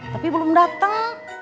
tapi belum dateng